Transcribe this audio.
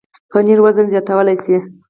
پنېر وزن زیاتولی شي.